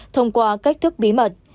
thông qua cách thức bí mật